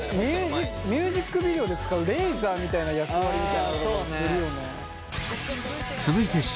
ミュージックビデオで使うレーザーみたいな役割みたいのをするよね。